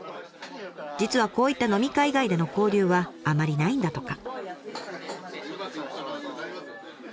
実はこういった飲み会以外での交流はあまりないんだとか。